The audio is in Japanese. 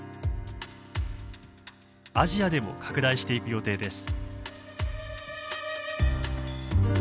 アジアでも拡大していく予定です。